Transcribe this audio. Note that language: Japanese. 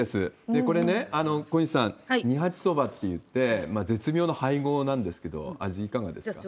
これね、小西さん、二八そばといって、絶妙な配合なんですけど、味、いかがですか？